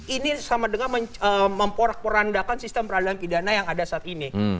ini sama dengan memporandakan sistem peraduan pidana yang ada saat ini